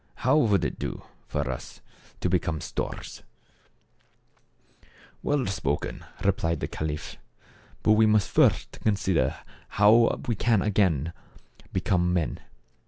How would it do for us to become storks ?"" Well spoken/' replied the caliph. " But we must first consider how we can again become men.